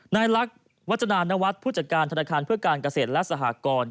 นายลักษณ์วัฒนานวัฒน์ผู้จัดการธนาคารเพื่อการเกษตรและสหกร